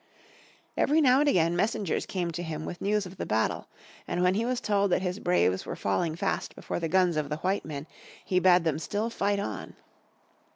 Every now and again messengers came to him with news of the battle. And when he was told that his braves were falling fast before the guns of the white men he bade them still fight on.